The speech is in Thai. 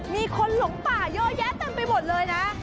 มีคนหลงป่าเยอะแยะเต็มไปหมดเลยนะ